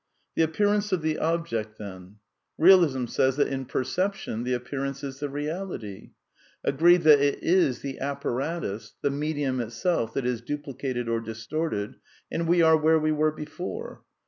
The appearance of the object, 220 A DEFENCE OF IDEALISM then ? Realism says that in perception the appearance is the reality. Agree that it is the apparatus, the medium itself, that is duplicated or distorted, and we are where we were before.